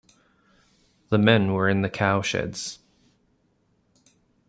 The men were in the cowsheds.